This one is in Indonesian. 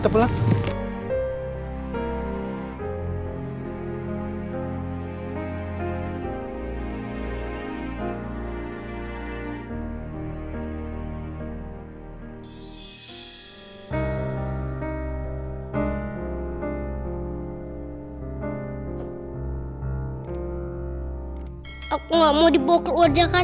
terima kasih ya